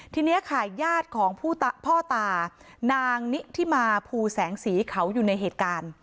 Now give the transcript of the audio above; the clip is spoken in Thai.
ทีนี้ค่ะญาติของพ่อตานางนิทิมาภูแสงสีเขาอยู่ในเหตุการณ์